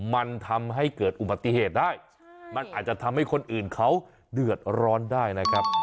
มันทำให้เกิดอุบัติเหตุได้มันอาจจะทำให้คนอื่นเขาเดือดร้อนได้นะครับ